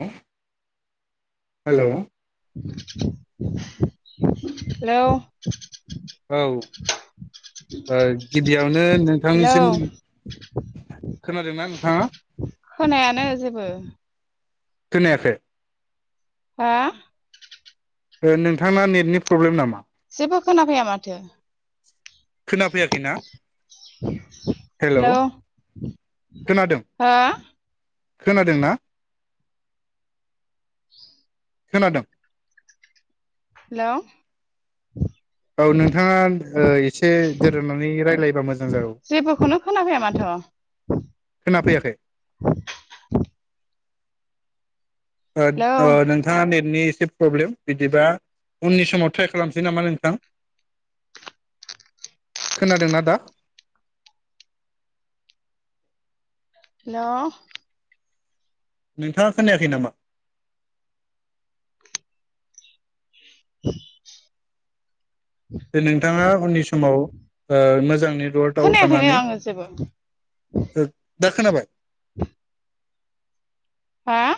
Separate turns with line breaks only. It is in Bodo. हो [inaudible] हेलौ
हेलौ
औ ओ गिबियावनो
हेलौ
नोंथांनिसिम, खोनादोंना नोंथाङा?
खोनायानो जेबो
खोनायाखै?
हा?
ओ नोंथां ना नेटनि प्रब्लेम नामा?
जेबो खोनाफैया माथो?
[inaudible] खोना फैयाखैना हेलौ खोनादों?
हो
खोनादोंना खोनादों?
हेलौ
औ नोंथाङा ओ एसे दोरोदनानै रायलायबा मोजां जागौ,
जेबोखौनो खोनाफैया माथो
खोनाफैयाखै ओ
हेलौ
नोंथाङा नेटनि सिब फ्रब्लेम बिदिबा उननि समाव ट्राइ खालामनोसै नामा नोंथां, खोनादोंना दा?
हेलौ
नोंथाङा खोनायाखै नामा?
[inaudible]
बे नोंथाङा उननि समाव ओ मोजां नेटवर्कआव
खोनायाखैनो
थानानै
आङो जेबो
दा खोनाबाय
[inaudible] हा?